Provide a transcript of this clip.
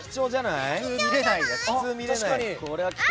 普通は見れない。